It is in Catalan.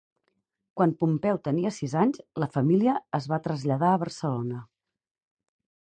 Quan Pompeu tenia sis anys, la família es va traslladar a Barcelona.